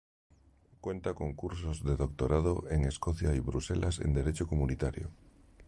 Cuenta con cursos de Doctorado en Escocia y Bruselas en Derecho Comunitario.